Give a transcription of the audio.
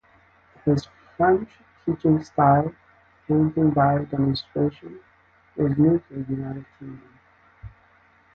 His French teaching style, painting by demonstration, was new to the United Kingdom.